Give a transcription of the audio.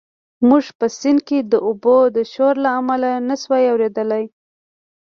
موږ په سیند کې د اوبو د شور له امله نه شوای اورېدلی.